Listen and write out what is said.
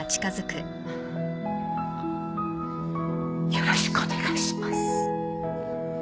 よろしくお願いします。